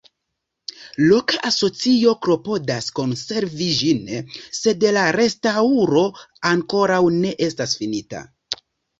Loka asocio klopodas konservi ĝin, sed la restaŭro ankoraŭ ne estas finita.